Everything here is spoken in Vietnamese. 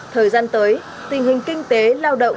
thời gian tới tình hình kinh tế lao động